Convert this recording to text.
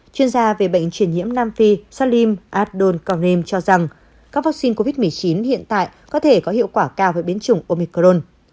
chuyên gia về bệnh truyền nhiễm nam phi salim abdul conrime cho rằng các vaccine covid một mươi chín hiện tại có thể có hiệu quả cao với biến chủng omicron